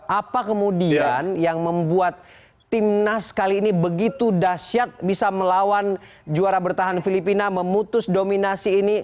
apa kemudian yang membuat timnas kali ini begitu dasyat bisa melawan juara bertahan filipina memutus dominasi ini